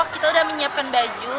kita sudah menyiapkan baju